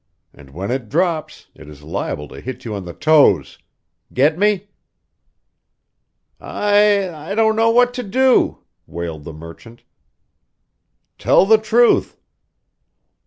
And when it drops, it is liable to hit you on the toes. Get me?" "I I don't know what to do," wailed the merchant. "Tell the truth!"